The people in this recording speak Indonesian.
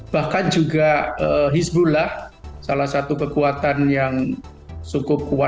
bahkan juga hizbullah salah satu kekuatan yang cukup kuat